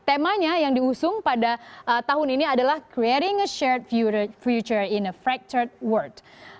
temanya yang diusung pada tahun ini adalah creating a shird future in afracted world